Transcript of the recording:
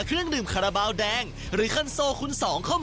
ลองดื่มคาราบาลดูครับ